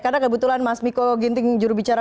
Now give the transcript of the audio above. karena kebetulan mas miko ginting jurubicara saya